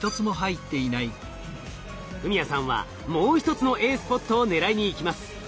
史哉さんはもう一つのＡスポットを狙いにいきます。